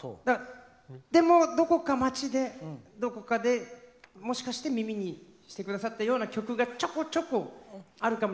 でも街で、どこかでもしかして耳にしてくださったような歌がちょこちょこあるかも。